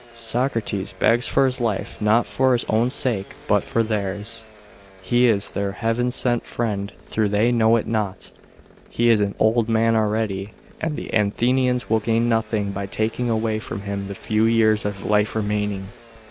Socrates begs for his life, not for his own sake, but for theirs : he is their heaven sent friend, though they know it not. He is an old man already, and the Athenians will gain nothing by taking away from him the few years of life remaining.